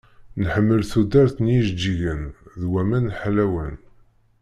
Nḥemmel tudert s yijeǧǧigen, d waman ḥlawen.